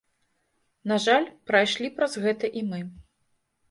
На жаль, прайшлі праз гэта і мы.